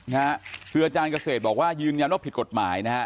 หรืออาจารย์เกษตรบอกว่ายืนยังไม่พิดกฎหมายนะฮะ